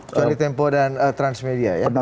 kecuali tempo dan transmedia ya